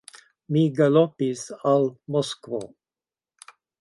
Mi galopis al Moskvo.